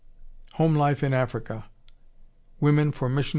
"Home Life in Africa." Wom. For. Miss. Soc.